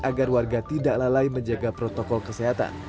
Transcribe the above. agar warga tidak lalai menjaga protokol kesehatan